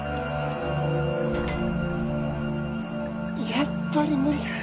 やっぱり無理だ。